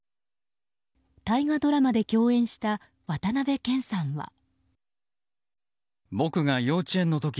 大河ドラマで共演した渡辺謙さんは。